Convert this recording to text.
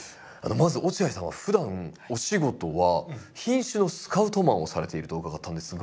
まず落合さんはふだんお仕事は品種のスカウトマンをされていると伺ったんですが。